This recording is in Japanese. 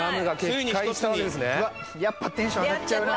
ついに一つに・やっぱテンション上がっちゃうな